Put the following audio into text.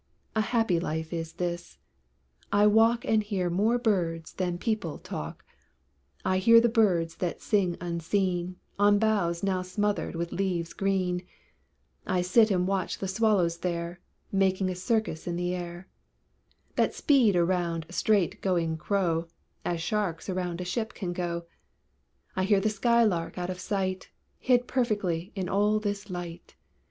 A happy life is this. I walk And hear more birds than people talk; I hear the birds that sing unseen, On boughs now smothered with leaves green; I sit and watch the swallows there, Making a circus in the air; That speed around straight going crow, As sharks around a ship can go; I hear the skylark out of sight, Hid perfectly in all this light.